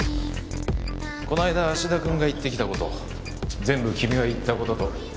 この間芦田君が言ってきたこと全部君が言ったことと